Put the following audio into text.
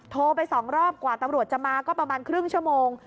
โทรไป๒รอบกว่าตำรวจจะมาก็ประมาณครึ่งชั่วโมง